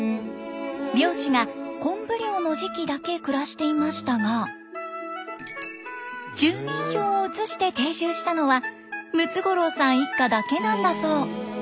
漁師が昆布漁の時期だけ暮らしていましたが住民票を移して定住したのはムツゴロウさん一家だけなんだそう。